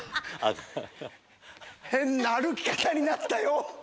変な歩き方になったよ。